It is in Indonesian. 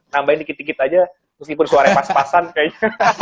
nambahin dikit dikit aja meskipun suaranya pas pasan kayaknya